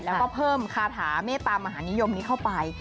แล้วก็เพิ่มคาถาเมตตามหานิยมนี้เข้าไป